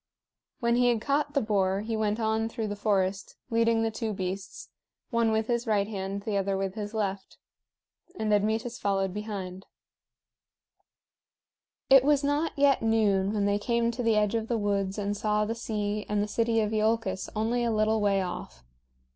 When he had caught the boar, he went on through the forest, leading the two beasts, one with his right hand, the other with his left; and Admetus followed behind. [Illustration: "IT WAS A STRANGE TEAM."] It was not yet noon when they came to the edge of the woods and saw the sea and the city of Iolcus only a little way off.